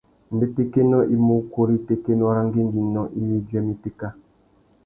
Mbétékénô i mú ukú râ itékénô râ ngüéngüinô iwí i djuêmú itéka.